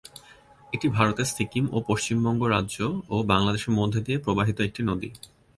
এটি ভারতের সিকিম ও পশ্চিমবঙ্গ রাজ্য ও বাংলাদেশের মধ্যে দিয়ে প্রবাহিত একটি নদী।